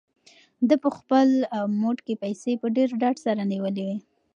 ده په خپل موټ کې پیسې په ډېر ډاډ سره نیولې وې.